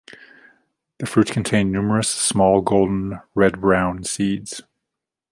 The fruits contains numerous, small, golden red-brown seeds.